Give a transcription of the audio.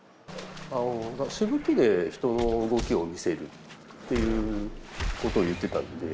しぶきで人の動きを見せるっていうことを言ってたんで。